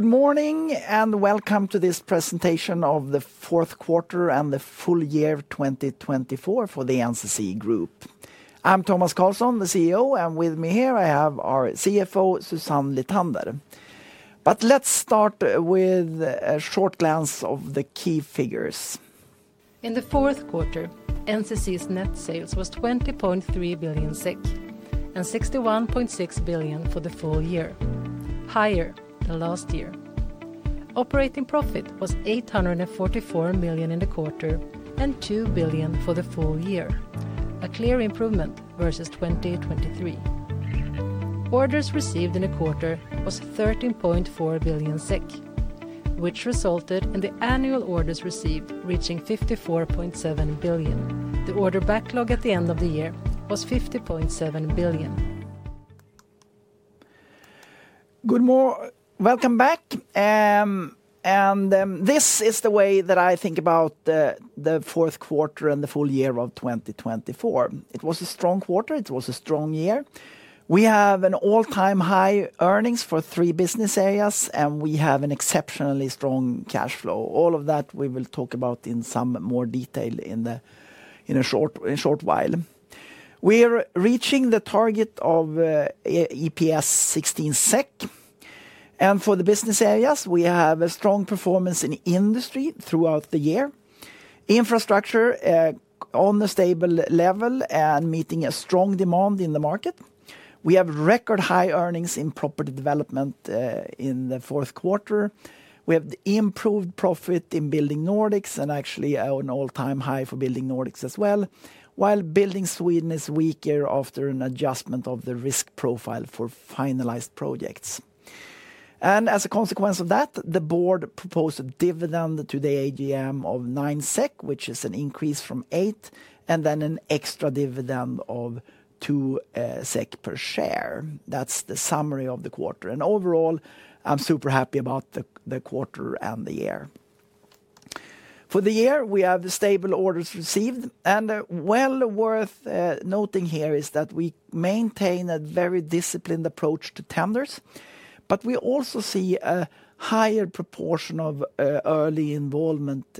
Good morning and welcome to this presentation of the Fourth Quarter and the Full Year 2024 for the NCC Group. I'm Tomas Carlsson, the CEO, and with me here I have our CFO, Susanne Lithander. But let's start with a short glance of the key figures. In the fourth quarter, NCC's net sales was 20.3 billion and 61.6 billion for the full year, higher than last year. Operating profit was 844 million in the quarter and 2 billion for the full year, a clear improvement versus 2023. Orders received in the quarter was 13.4 billion SEK, which resulted in the annual orders received reaching 54.7 billion. The order backlog at the end of the year was 50.7 billion. Good morning, welcome back. This is the way that I think about the fourth quarter and the full year of 2024. It was a strong quarter. It was a strong year. We have an all-time high earnings for three business areas, and we have an exceptionally strong cash flow. All of that we will talk about in some more detail in a short while. We are reaching the target of EPS 16 SEK. For the business areas, we have a strong performance in Industry throughout the year, Infrastructure on a stable level and meeting a strong demand in the market. We have record high earnings in Property Development in the fourth quarter. We have improved profit in Building Nordics and actually an all-time high for Building Nordics as well, while Building Sweden is weaker after an adjustment of the risk profile for finalized projects. As a consequence of that, the board proposed a dividend to the AGM of 9 SEK, which is an increase from 8, and then an extra dividend of 2 SEK per share. That's the summary of the quarter. And overall, I'm super happy about the quarter and the year. For the year, we have stable orders received. And well worth noting here is that we maintain a very disciplined approach to tenders, but we also see a higher proportion of early involvement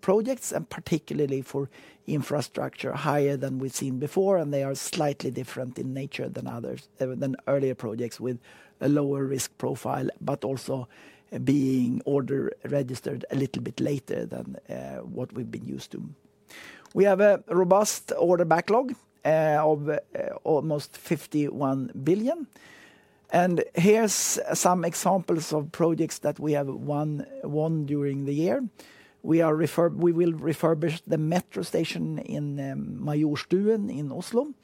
projects, and particularly for Infrastructure, higher than we've seen before. And they are slightly different in nature than earlier projects with a lower risk profile, but also being order registered a little bit later than what we've been used to. We have a robust order backlog of almost 51 billion. And here's some examples of projects that we have won during the year. We will refurbish the metro station in Majorstuen in Oslo.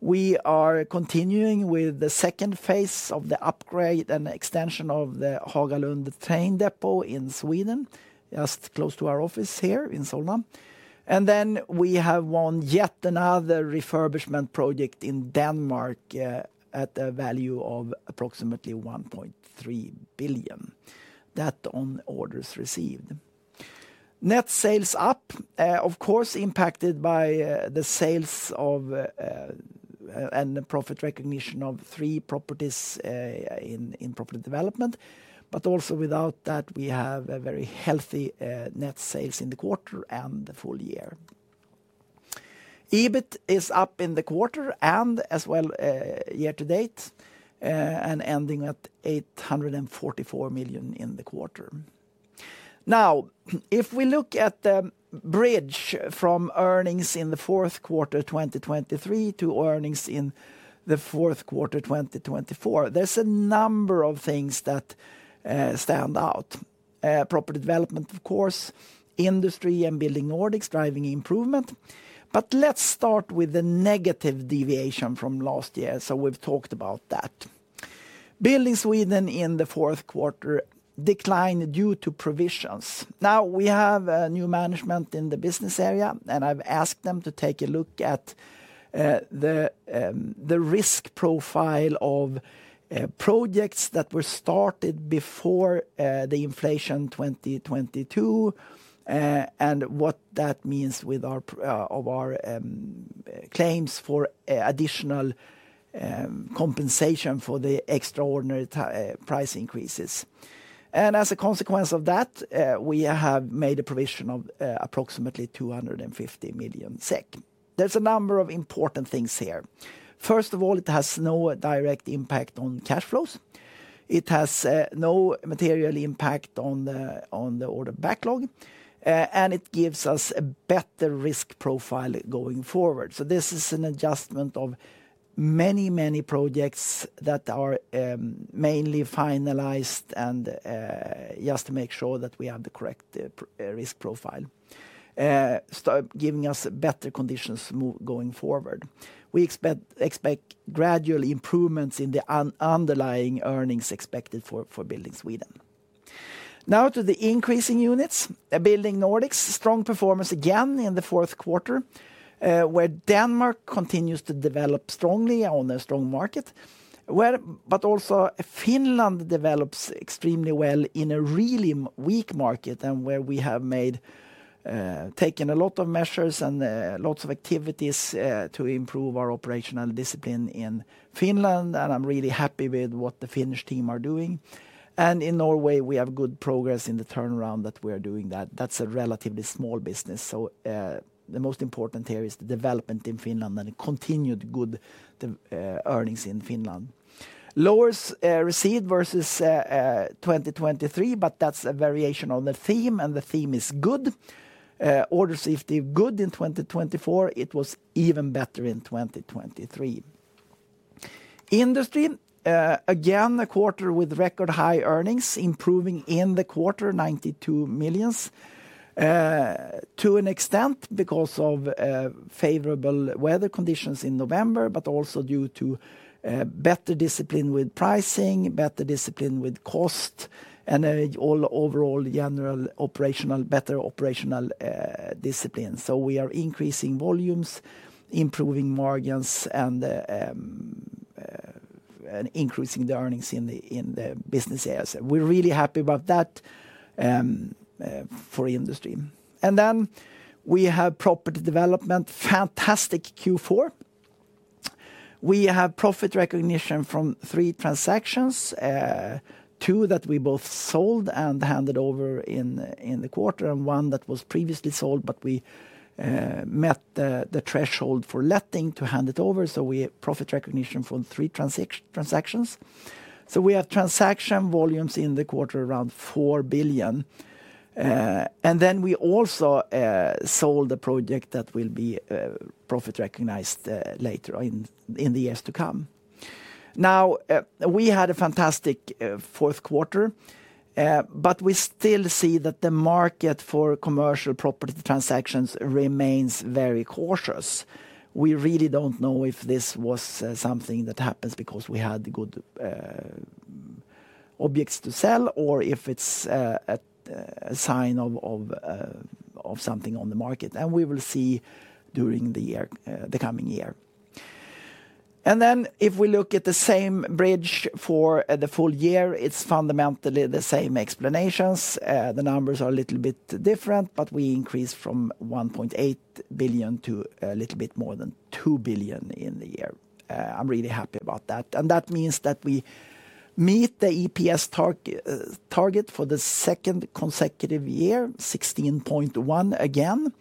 We are continuing with the second phase of the upgrade and extension of the Hagalund train depot in Sweden, just close to our office here in Solna. And then we have won yet another refurbishment project in Denmark at a value of approximately 1.3 billion. That on orders received. Net sales up, of course, impacted by the sales of and the profit recognition of three properties in Property Development. But also without that, we have a very healthy net sales in the quarter and the full year. EBIT is up in the quarter and as well year to date, and ending at 844 million in the quarter. Now, if we look at the bridge from earnings in the fourth quarter 2023 to earnings in the fourth quarter 2024, there's a number of things that stand out. Property Development, of course. Industry and Building Nordics driving improvement. But let's start with the negative deviation from last year. So we've talked about that. Building Sweden in the fourth quarter declined due to provisions. Now we have new management in the business area, and I've asked them to take a look at the risk profile of projects that were started before the inflation 2022 and what that means with our our claims for additional compensation for the extraordinary price increases. And as a consequence of that, we have made a provision of approximately 250 million SEK. There's a number of important things here. First of all, it has no direct impact on cash flows. It has no material impact on the on the order backlog, and it gives us a better risk profile going forward. So this is an adjustment of many, many projects that are mainly finalized and just to make sure that we have the correct risk profile, giving us better conditions going forward. We expect expect gradual improvements in the underlying earnings expected for Building Sweden. Now to the increasing units. Building Nordics, strong performance again in the fourth quarter, where Denmark continues to develop strongly on a strong market, but also Finland develops extremely well in a really weak market and where we have taken a lot of measures and lots of activities to improve our operational discipline in Finland. And I'm really happy with what the Finnish team are doing. And in Norway, we have good progress in the turnaround that we are doing that. That's a relatively small business. So the most important here is the development in Finland and continued good earnings in Finland. Orders received versus 2023, but that's a variation on the theme, and the theme is good. Orders is still good in 2024. It was even better in 2023. Industry, again, a quarter with record high earnings, improving in the quarter, 92 million, to an extent because of favorable weather conditions in November, but also due to better discipline with pricing, better discipline with cost, and all overall general operational better operational discipline. So we are increasing volumes, improving margins, and increasing the earnings in the business areas. We're really happy about that for Industry. And then we have Property Development, fantastic Q4. We have profit recognition from three transactions, two that we both sold and handed over in in the quarter and one that was previously sold, but we met the threshold leading to handover. So we have profit recognition for three transactions. So we have transaction volumes in the quarter around 4 billion. And then we also sold a project that will be profit recognized later in the years to come. Now, we had a fantastic fourth quarter, but we still see that the market for commercial property transactions remains very cautious. We really don't know if this was something that happens because we had good objects to sell or if it's a sign of something on the market. And we will see during year the coming year. And then if we look at the same bridge for at the full year, it's fundamentally the same explanations. The numbers are a little bit different, but we increased from 1.8 billion to a little bit more than 2 billion in the year. I'm really happy about that. And that means that we meet the EPS target target for the second consecutive year, 16.1 again.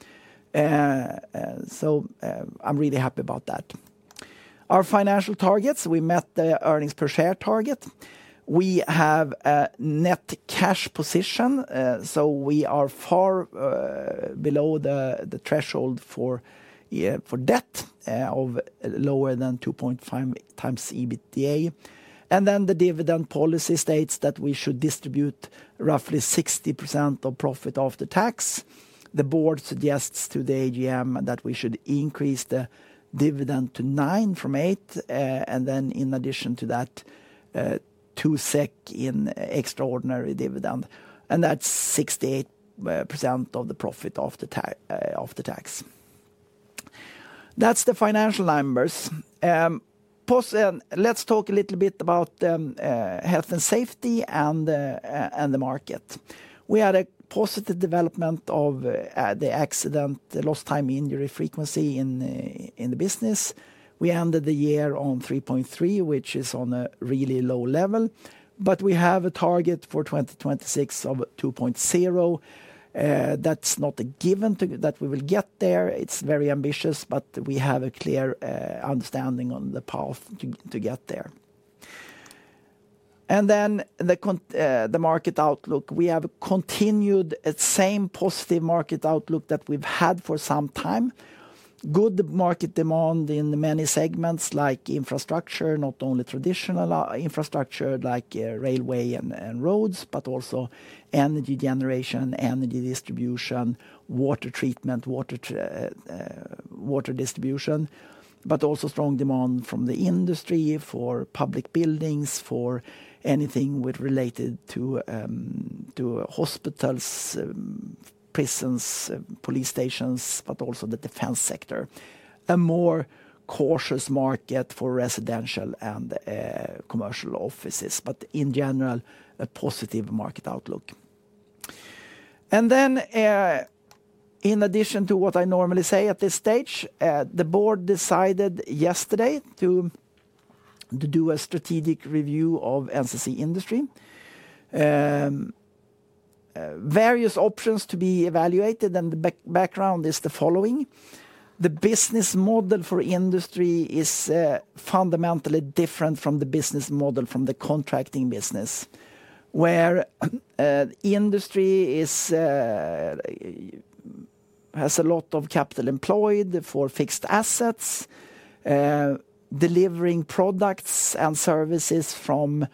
So I'm really happy about that. Our financial targets, we met the earnings per share target. We have a net cash position, so we are far below the threshold for debt of lower than 2.5 times EBITDA. The dividend policy states that we should distribute roughly 60% of profit after tax. The board suggests to the AGM that we should increase the dividend to 9 from 8, and then in addition to that, 2 SEK in extraordinary dividend. That's 68% of the profit after tax. That's the financial numbers. Let's talk a little bit about health and safety and the market. We had a positive development of the accident, lost time injury frequency in in the business. We ended the year on 3.3, which is on a really low level, but we have a target for 2026 of 2.0. That's not a given that we will get there. It's very ambitious, but we have a clear understanding on the path to get there. And then the market outlook, we have continued the same positive market outlook that we've had for some time. Good market demand in many segments like Infrastructure, not only traditional Infrastructure like railway and roads, but also energy generation, energy distribution, water treatment, water distribution, but also strong demand from the Industry for public buildings, for anything with related to to hospitals, prisons, police stations, but also the defense sector. A more cautious market for residential and commercial offices, but in general, a positive market outlook. And then in addition to what I normally say at this stage, the board decided yesterday to do a strategic review of NCC Industry. Various options to be evaluated, and the background is the following. The business model for Industry is fundamentally different from the business model from the contracting business, where Industry is, has a lot of capital employed for fixed assets, delivering products and services from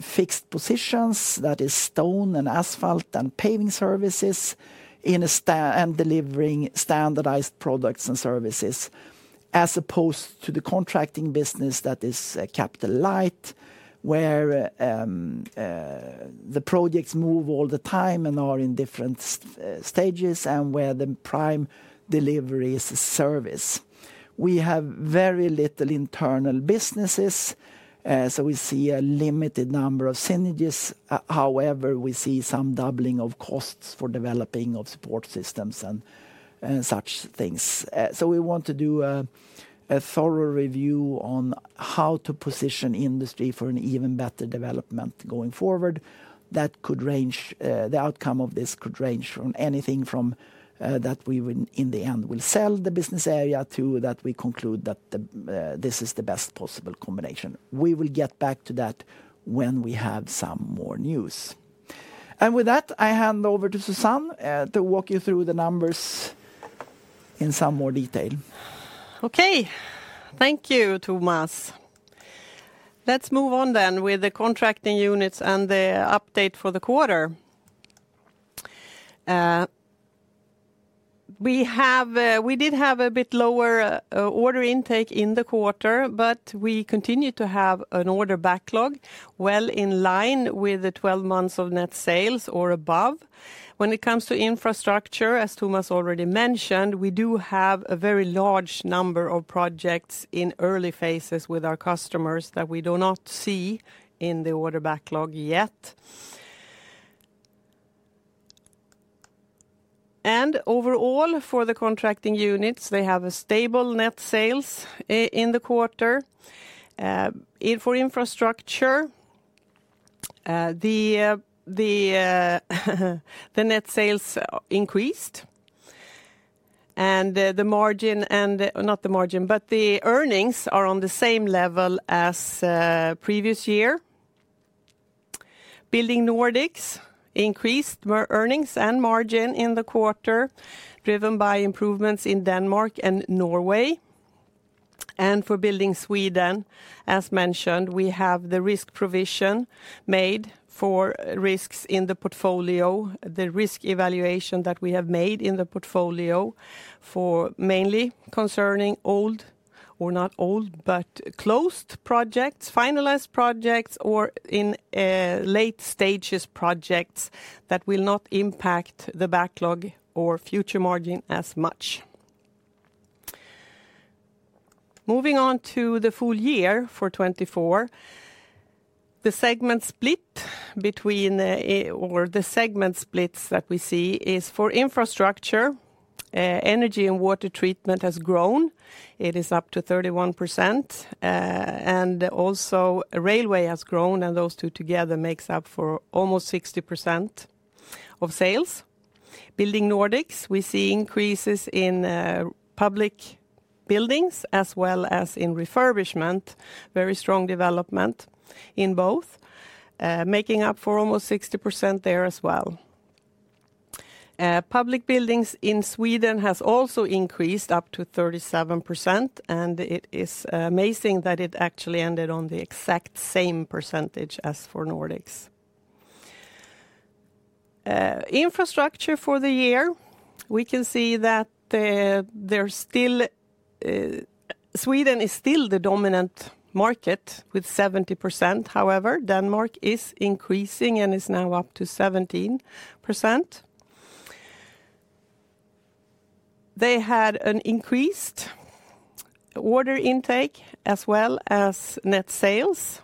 fixed positions, that is stone and asphalt and paving services, and delivering standardized products and services, as opposed to the contracting business that is capital light, where the projects move all the time and are in different stages and where the prime delivery is a service. We have very little internal businesses, so we see a limited number of synergies. However, we see some doubling of costs for developing of support systems and and such things. So we want to do a thorough review on how to position Industry for an even better development going forward. That could range the outcome of this could range from anything from that we in the end will sell the business area to that we conclude that this is the best possible combination. We will get back to that when we have some more news, and with that, I hand over to Susanne to walk you through the numbers in some more detail. Okay, thank you, Tomas. Let's move on then with the contracting units and the update for the quarter. We have we did have a bit lower order intake in the quarter, but we continue to have an order backlog well in line with the 12 months of net sales or above. When it comes to Infrastructure, as Tomas already mentioned, we do have a very large number of projects in early phases with our customers that we do not see in the order backlog yet. And overall, for the contracting units, they have a stable net sales in the quarter. For Infrastructure, the the net sales increased. And the margin, and not the margin, but the earnings are on the same level as previous year. Building Nordics increased earnings and margin in the quarter, driven by improvements in Denmark and Norway. For Building Sweden, as mentioned, we have the risk provision made for risks in the portfolio, the risk evaluation that we have made in the portfolio for mainly concerning old or not old, but closed projects, finalized projects, or in late stages projects that will not impact the backlog or future margin as much. Moving on to the full year for 2024, the segment split between or the segment splits that we see is for Infrastructure, energy and water treatment has grown. It is up to 31%. And also, railway has grown, and those two together make up for almost 60% of sales. Building Nordics, we see increases in public buildings as well as in refurbishment, very strong development in both, making up for almost 60% there as well. Public buildings in Sweden has also increased up to 37%, and it is amazing that it actually ended on the exact same percentage as for Nordics. Infrastructure for the year, we can see that there is still, Sweden is still the dominant market with 70%. However, Denmark is increasing and is now up to 17%. They had an increased order intake as well as net sales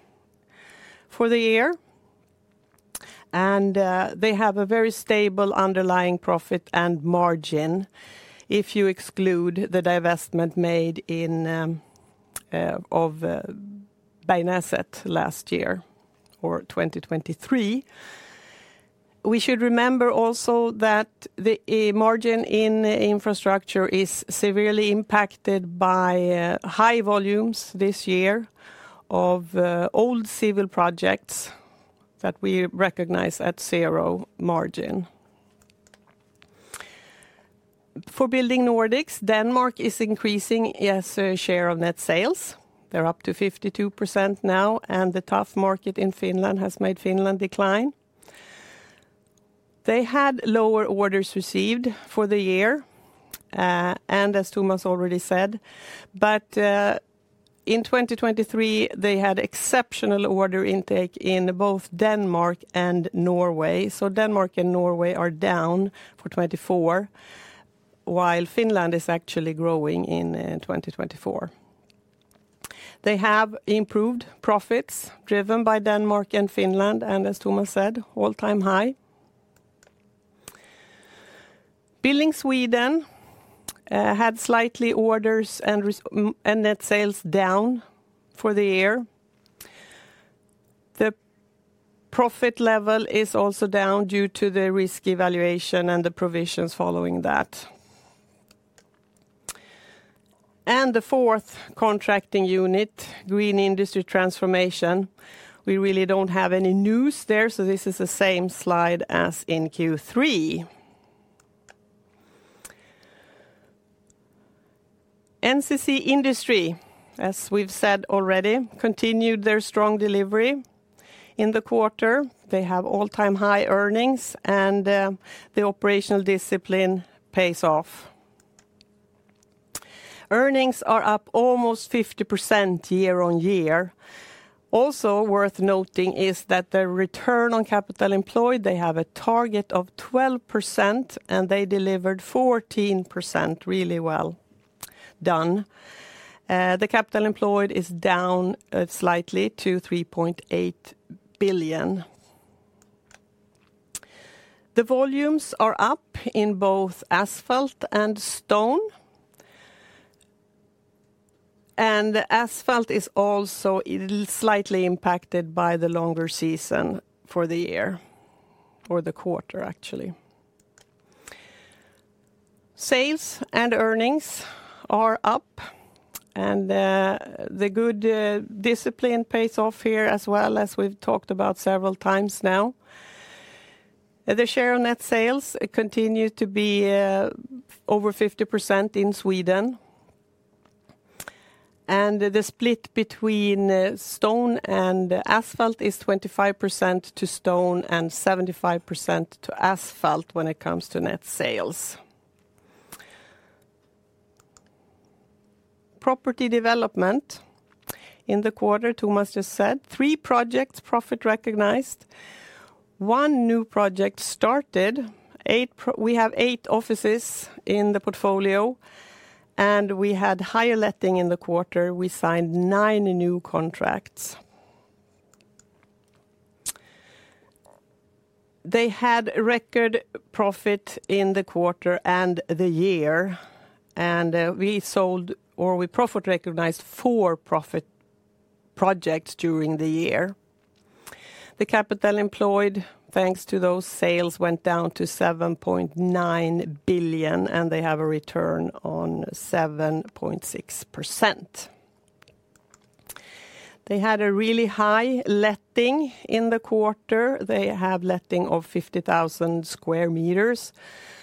for the year. And they have a very stable underlying profit and margin if you exclude the divestment made of Bergnäset last year or 2023. We should remember also that the margin in Infrastructure is severely impacted by high volumes this year of old civil projects that we recognize at zero margin. For Building Nordics, Denmark is increasing its share of net sales. They're up to 52% now, and the tough market in Finland has made Finland decline. They had lower orders received for the year, and as Tomas already said, but in 2023, they had exceptional order intake in both Denmark and Norway. So Denmark and Norway are down for 2024, while Finland is actually growing in 2024. They have improved profits driven by Denmark and Finland, and as Tomas said, all-time high. Building Sweden had slightly orders and net sales down for the year. The profit level is also down due to the risk evaluation and the provisions following that. And the fourth contracting unit, Green Industry Transformation, we really don't have any news there, so this is the same slide as in Q3. NCC Industry, as we've said already, continued their strong delivery in the quarter. They have all-time high earnings, and the operational discipline pays off. Earnings are up almost 50% year on year. Also worth noting is that the return on capital employed, they have a target of 12%, and they delivered 14% really well done. The capital employed is down slightly to SEK 3.8 billion. The volumes are up in both asphalt and stone. And asphalt is also slightly impacted by the longer season for the year or the quarter, actually. Sales and earnings are up, and the good discipline pays off here as well, as we've talked about several times now. And the share of net sales continues to be over 50% in Sweden. And the split between stone and asphalt is 25% to stone and 75% to asphalt when it comes to net sales. Property Development in the quarter, Tomas just said, three projects profit recognized. One new project started. Eight, we have eight offices in the portfolio, and we had higher letting in the quarter. We signed nine new contracts. They had record profit in the quarter and the year, and we sold or we profit recognized four profit projects during the year. The capital employed, thanks to those sales, went down to 7.9 billion, and they have a return on 7.6%. They had a really high letting in the quarter. They have letting of 50,000 square meters,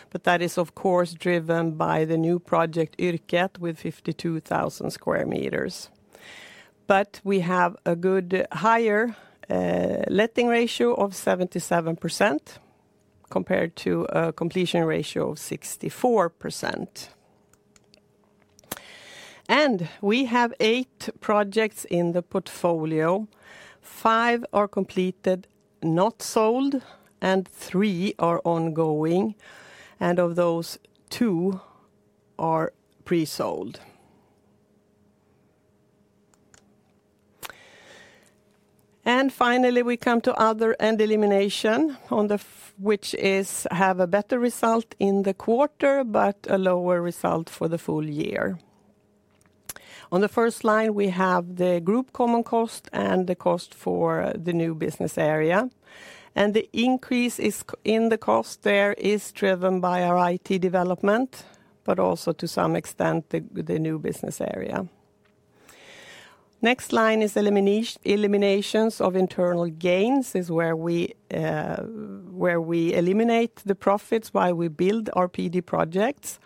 but that is, of course, driven by the new project Yrket with 52,000 square meters. But we have a good higher letting ratio of 77% compared to a completion ratio of 64%. And we have eight projects in the portfolio. Five are completed, not sold, and three are ongoing, and of those, two are pre-sold. And finally, we come to other and eliminations, which has a better result in the quarter, but a lower result for the full year. On the first line, we have the group common costs and the costs for the new business area. And the increase is in the costs there is driven by our IT development, but also to some extent the new business area. Next line is eliminations eliminations of internal gains, is where we, where we eliminate the profits while we build RPD projects.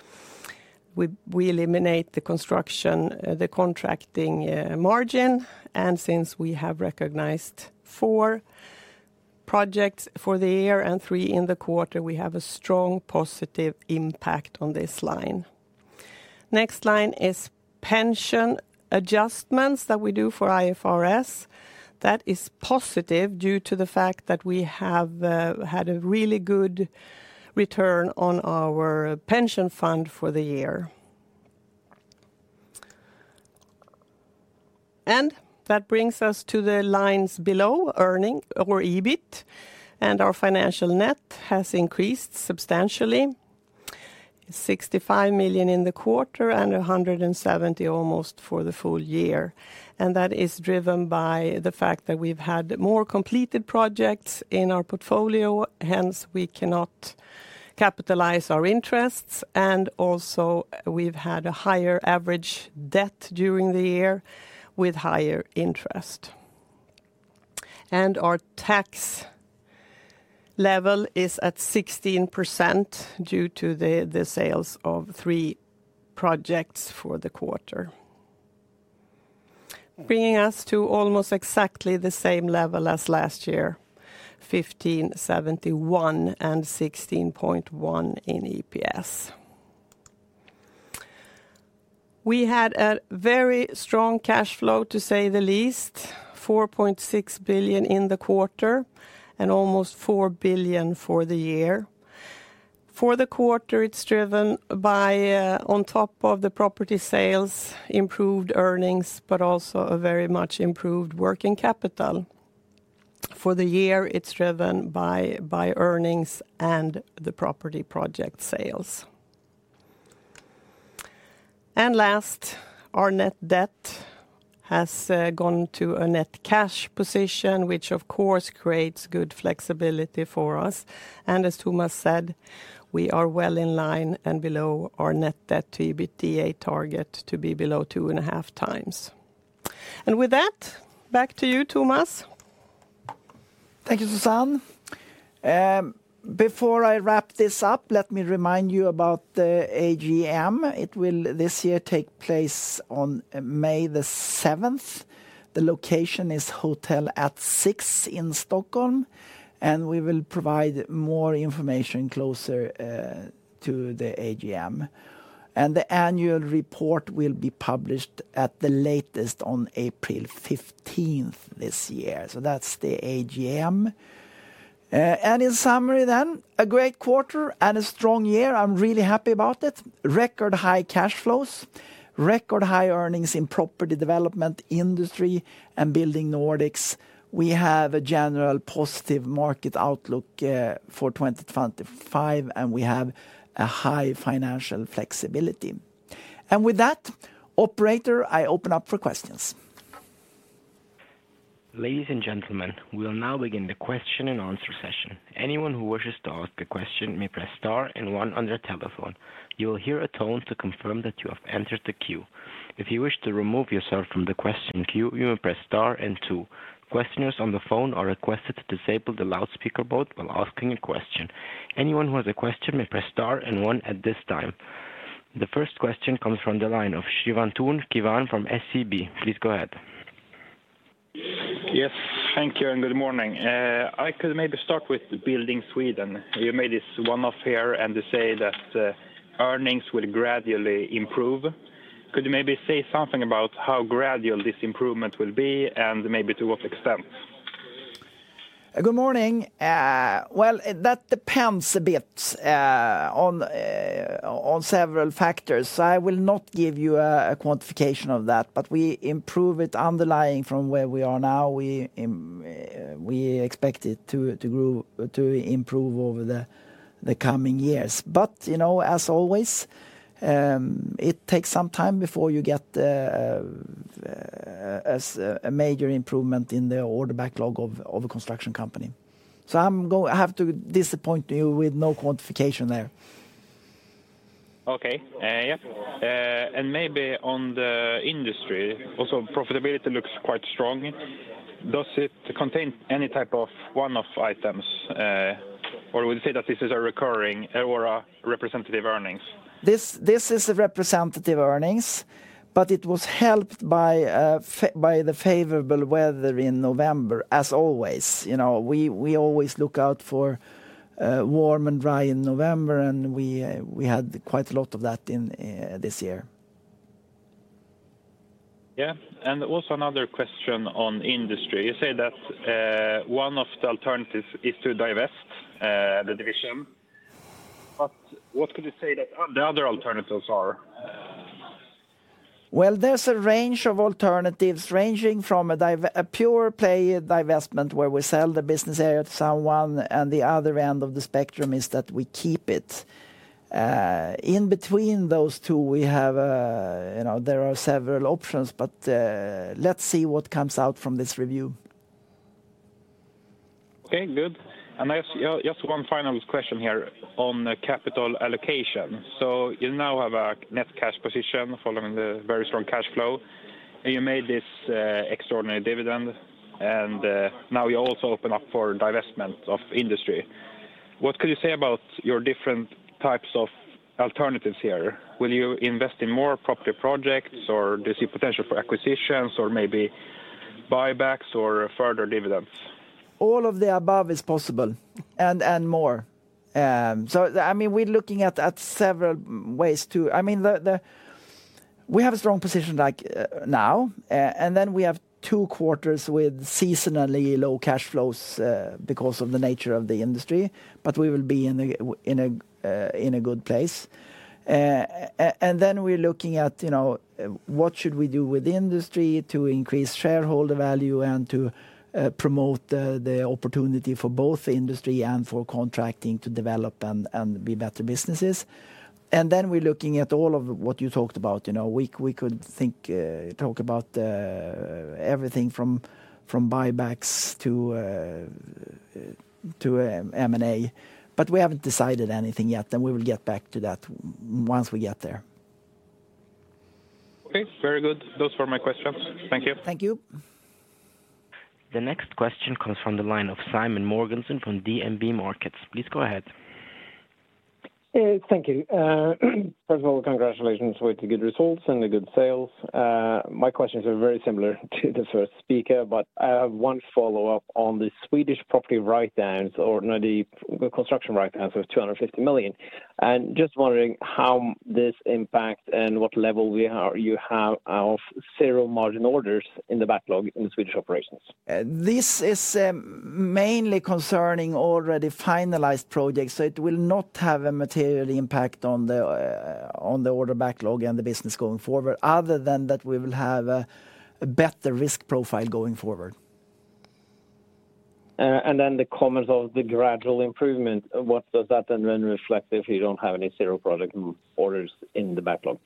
We eliminate the construction, the contracting margin, and since we have recognized four projects for the year and three in the quarter, we have a strong positive impact on this line. Next line is pension adjustments that we do for IFRS. That is positive due to the fact that we have had a really good return on our pension fund for the year. And that brings us to the lines below earning or EBIT, and our financial net has increased substantially. 65 million in the quarter and almost SEK 170 million for the full year. And that is driven by the fact that we've had more completed projects in our portfolio, hence we cannot capitalize our interests, and also we've had a higher average debt during the year with higher interest. And our tax level is at 16% due to the sales of three projects for the quarter, bringing us to almost exactly the same level as last year, 1,571 and 16.1 in EPS. We had a very strong cash flow, to say the least, 4.6 billion in the quarter and almost 4 billion for the year. For the quarter, it's driven by, on top of the property sales, improved earnings, but also a very much improved working capital. For the year, it's driven by by earnings and the property project sales. And last, our net debt has gone to a net cash position, which of course creates good flexibility for us, and as Tomas said, we are well in line and below our net debt to EBITDA target to be below two and a half times, and with that, back to you, Tomas. Thank you, Susanne. Before I wrap this up, let me remind you about the AGM. It will this year take place on May the 7th. The location is Hotel At Six in Stockholm, and we will provide more information closer to the AGM, and the Annual Report will be published at the latest on April 15th this year, so that's the AGM. In summary then, a great quarter and a strong year. I'm really happy about it. Record high cash flows, record high earnings in Property Development Industry and Building Nordics. We have a general positive market outlook for 2025, and we have a high financial flexibility. And with that, operator, I open up for questions. Ladies and gentlemen, we will now begin the Q&A session. Anyone who wishes to ask a question may press Star and one on their telephone. You will hear a tone to confirm that you have entered the queue. If you wish to remove yourself from the question queue, you may press Star and two. Questioners on the phone are requested to disable the loudspeaker mode while asking a question. Anyone who has a question may press Star and one at this time. The first question comes from the line of Sirwan Tucker from SEB. Please go ahead. Yes, thank you and good morning. I could maybe start with Building Sweden. You made this one off here and say that earnings will gradually improve. Could you maybe say something about how gradual this improvement will be and maybe to what extent? Good morning. Well, that depends a bit on several factors. I will not give you a quantification of that, but we improve it underlying from where we are now. We expect it to to improve over the coming years. But as always, it takes some time before you get a major improvement in the order backlog of a construction company. So I have to disappoint you with no quantification there. Okay. Yep. And maybe on the Industry, also profitability looks quite strong. Does it contain any type of one-off items, or would you say that this is a recurring or a representative earnings? This this is a representative earnings, but it was helped by by the favorable weather in November, as always. We always look out for warm and dry in November, and we we had quite a lot of that this year. Yeah. And also another question on Industry. You say that one of the alternatives is to divest the division. What could you say that the other alternatives are? Well, there's a range of alternatives ranging from a pure play divestment where we sell the business area to someone, and the other end of the spectrum is that we keep it. In between those two, we have, there are several options, but let's see what comes out from this review. Okay, good. And just one final question here on the capital allocation. You now have a net cash position following the very strong cash flow, and you made this extraordinary dividend, and now you also open up for divestment of Industry. What could you say about your different types of alternatives here? Will you invest in more property projects, or do you see potential for acquisitions, or maybe buybacks or further dividends? All of the above is possible and more. I mean, we're looking at several ways to. I mean, we have a strong position like now, and then we have two quarters with seasonally low cash flows because of the nature of the Industry, but we will be in a in a good place. And then we're looking at, you know, what we should do with Industry to increase shareholder value and to promote the opportunity for both Industry and for contracting to develop and and be better businesses. And then we're looking at all of what you talked about. We could think, talk about everything from buybacks to M&A, but we haven't decided anything yet, and we will get back to that once we get there. Okay, very good. Those were my questions. Thank you. Thank you. The next question comes from the line of Simen Mortensen from DNB Markets. Please go ahead. Thank you. First of all, congratulations for the good results and the good sales. My questions are very similar to the first speaker, but I have one follow-up on the Swedish property write-downs or the construction write-downs of 250 million. And just wondering how this impacts and what level you have of low-margin orders in the backlog in the Swedish operations. This is mainly concerning already finalized projects, so it will not have a material impact on the on the order backlog and the business going forward, other than that we will have a better risk profile going forward, And then the comments of the gradual improvement, what does that then reflect if you don't have any serial project orders in the backlog?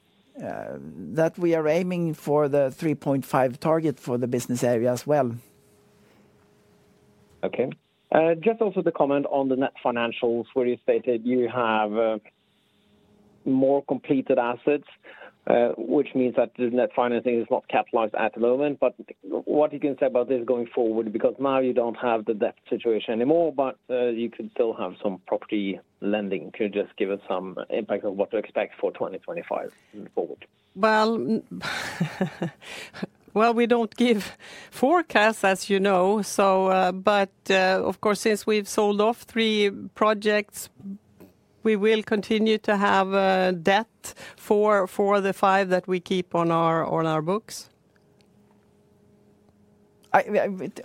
That we are aiming for the 3.5 target for the business area as well. Okay. Just also the comment on the net financials, where you stated you have more completed assets, which means that the net financing is not capitalized at the moment, but what you can say about this going forward, because now you don't have the debt situation anymore, but you could still have some property lending, could you just give us some impact of what to expect for 2025 and forward? We don't give forecasts, as you know, so but of course, since we've sold off three projects, we will continue to have debt for for the five that we keep on our books.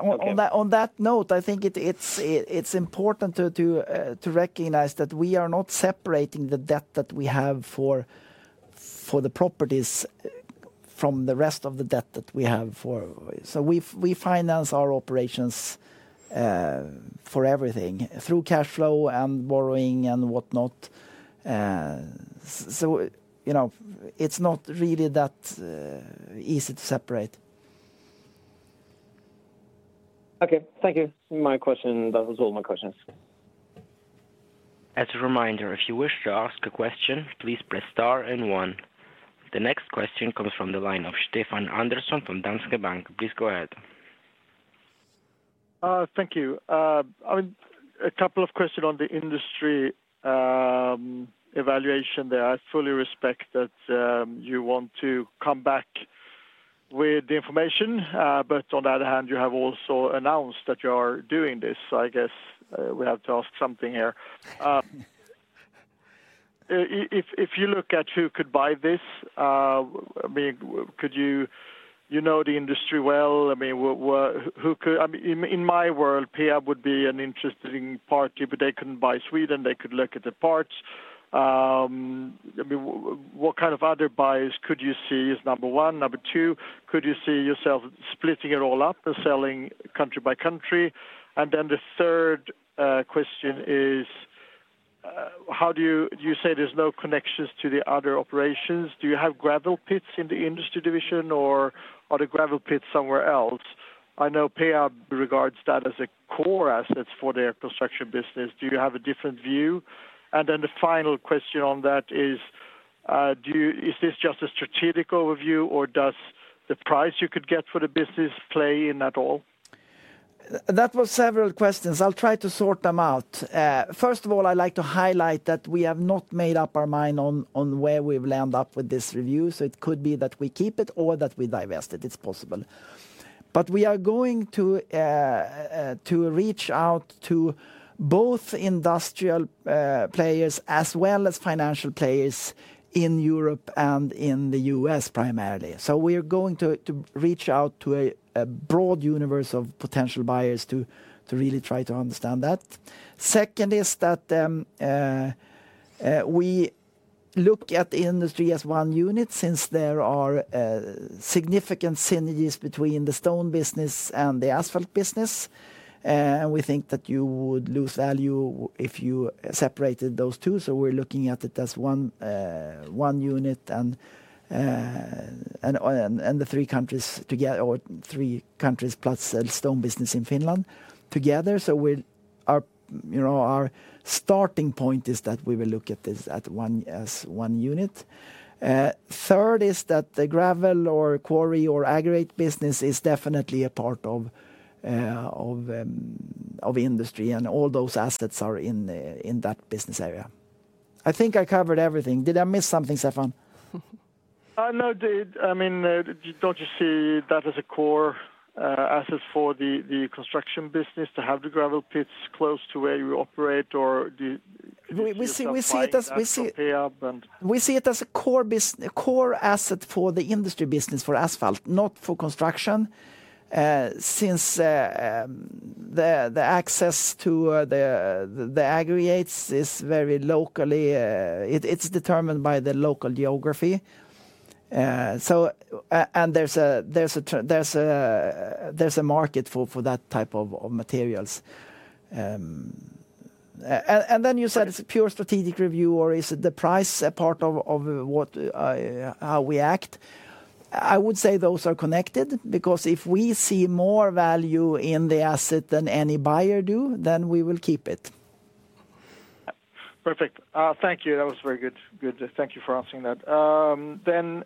On that note, I think it's it's important to to recognize that we are not separating the debt that we have for the properties from the rest of the debt that we have for. So we finance our operations for everything through cash flow and borrowing and whatnot. So you know it's not really that easy to separate. Okay, thank you. My question, that was all my questions. As a reminder, if you wish to ask a question, please press Star and one. The next question comes from the line of Stefan Andersson from Danske Bank. Please go ahead. Thank you. A couple of questions on the Industry evaluation there. I fully respect that you want to come back with the information, but on the other hand, you have also announced that you are doing this. So I guess we have to ask something here. If you look at who could buy this, I mean, could you, you know the Industry well. I mean, who could, in my world, Peab would be an interesting party, but they couldn't buy Sweden. They could look at the parts. What kind of other buyers could you see is number one. Number two, could you see yourself splitting it all up and selling country by country? And then the third question is, how do you say there's no connections to the other operations? Do you have gravel pits in the Industry division, or are the gravel pits somewhere else? I know Peab regards that as a core asset for their construction business. Do you have a different view? And then the final question on that is, do you is this just a strategic overview, or does the price you could get for the business play in at all? That was several questions. I'll try to sort them out. First of all, I'd like to highlight that we have not made up our mind on where we've landed up with this review. So it could be that we keep it or that we divest it. It's possible. But we are going to to reach out to both industrial players as well as financial players in Europe and in the U.S. primarily. So we are going to reach out to a broad universe of potential buyers to really try to understand that. Second is that we look at the Industry as one unit since there are significant synergies between the stone business and the asphalt business, and we think that you would lose value if you separated those two. So we're looking at it as one unit and the three countries together, or three countries plus the stone business in Finland together. So our starting point is that we will look at this as one unit. Third is that the gravel or quarry or aggregate business is definitely a part of Industry, and all those assets are in that business area. I think I covered everything. Did I miss something, Stefan? No, I mean, don't you see that as a core asset for the construction business to have the gravel pits close to where you operate, or do you see it. We see it, we see it as a core asset for the Industry business for asphalt, not for construction, since the access to the aggregates is very locally it's determined by the local geography? So and there's a and there's a and there's a market for that type of materials. And then you said it's a pure strategic review, or is the price a part of how we act? I would say those are connected because if we see more value in the asset than any buyer do, then we will keep it. Perfect. Thank you. That was very good. Thank you for answering that. Then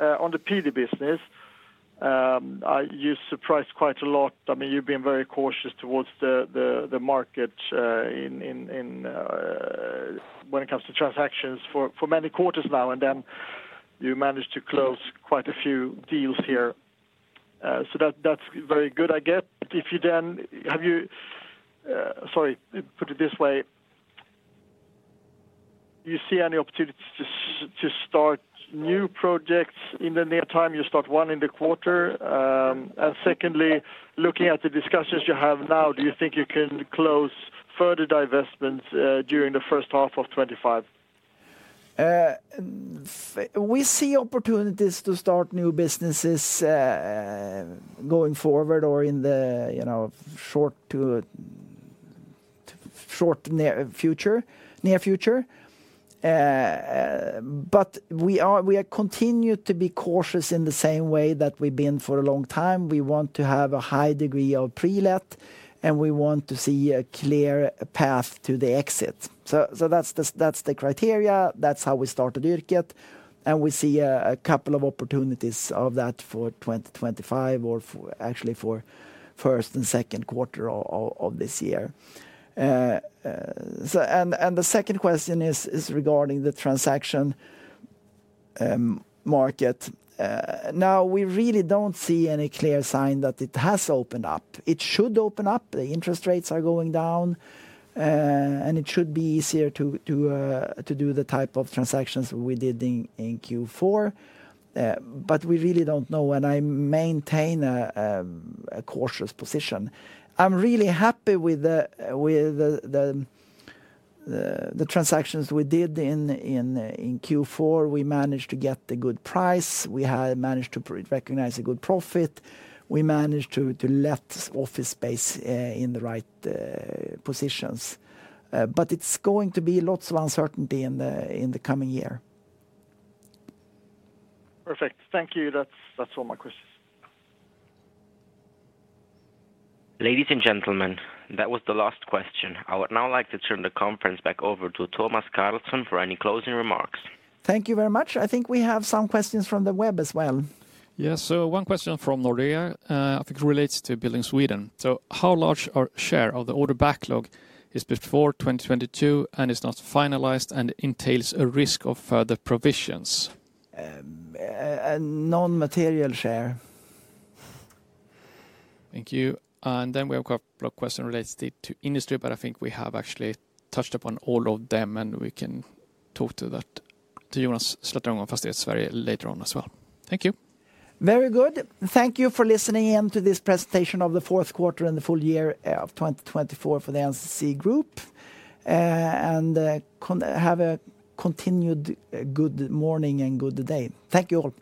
on the PD business, you surprised quite a lot. I mean, you've been very cautious towards the market in in when it comes to transactions for many quarters now, and then you managed to close quite a few deals here. So that's that's very good, I guess. Sorry, put it this way. Do you see any opportunities to start new projects in the near time? You start one in the quarter. And secondly, looking at the discussions you have now, do you think you can close further divestments during the first half of 2025? We see opportunities to start new businesses going forward or in the short to near future. But we continue to be cautious in the same way that we've been for a long time. We want to have a high degree of pre-let, and we want to see a clear path to the exit. So that's that's the criteria. That's how we started the circuit. We see a couple of opportunities of that for 2025 or actually for first and second quarter of this year. The second question is regarding the transaction market. Now, we really don't see any clear sign that it has opened up. It should open up. The interest rates are going down, and it should be easier to to do the type of transactions we did in Q4. But we really don't know, and I maintain a cautious position. I'm really happy with the transactions we did in in Q4. We managed to get a good price. We had managed to recognize a good profit. We managed to let office space in the right positions. But it's going to be lots of uncertainty in the in the coming year. Perfect. Thank you. That's all my questions. Ladies and gentlemen, that was the last question. I would now like to turn the conference back over to Tomas Carlsson for any closing remarks. Thank you very much. I think we have some questions from the web as well. Yes, so one question from Nordea. I think it relates to Building Sweden. So how large a share of the order backlog is before 2022 and is not finalized and entails a risk of further provisions? A non-material share. Thank you. And then we have a couple of questions related to Industry, but I think we have actually touched upon all of them, and we can talk to Johan Slättberg from FastighetsSverige later on as well. Thank you. Very good. Thank you for listening in to this presentation of the fourth quarter and the full year of 2024 for the NCC Group, and have a continued good morning and good day. Thank you all.